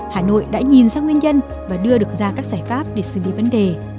hà nội đã nhìn ra nguyên nhân và đưa được ra các giải pháp để xử lý vấn đề